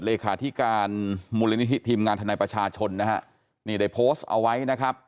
เลขาธิการมูลนิธิทีมงานทนายประชาชนนะฮะนี่ได้โพสต์เอาไว้นะครับ